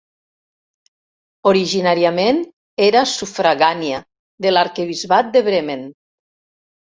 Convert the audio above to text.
Originàriament era sufragània de l'arquebisbat de Bremen.